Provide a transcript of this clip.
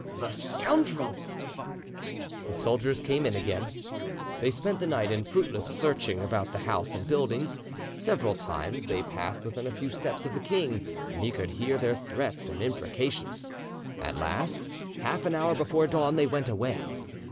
"The scoundrel!" The soldiers came in again. They spent the night in fruitless searching about the house and buildings; several times they passed within a few steps of the king, and he could hear their threats and imprecations. At last, half an hour before dawn, they went away.